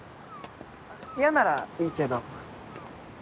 嫌ならいいけど。